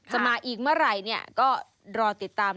มาอีกเมื่อไหร่เนี่ยก็รอติดตาม